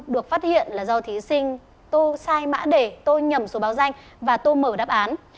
được phát hiện là do thí sinh tô sai mã để tôi nhầm số báo danh và tô mở đáp án